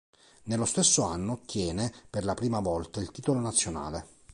Nello stesso anno ottiene per la prima volta il titolo nazionale.